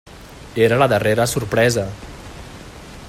Era la darrera sorpresa.